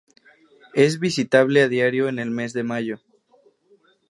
Es visitable a diario en el mes de mayo.